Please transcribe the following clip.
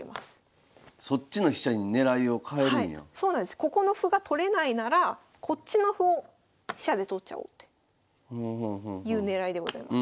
ここの歩が取れないならこっちの歩を飛車で取っちゃおうという狙いでございます。